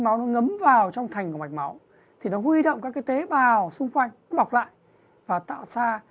máu nó ngấm vào trong thành của mạch máu thì nó huy động các cái tế bào xung quanh mọc lại và tạo ra